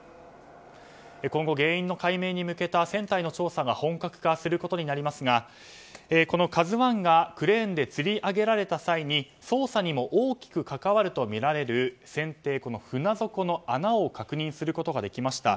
今後、原因の解明に向けた船体の調査が本格的しますがこの「ＫＡＺＵ１」がクレーンでつり上げられた際に捜査にも大きく関わるとみられる船底の穴を確認できました。